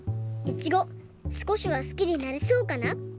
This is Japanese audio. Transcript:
イチゴすこしは好きになれそうかな？